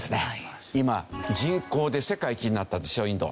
今人口で世界一になったでしょインド。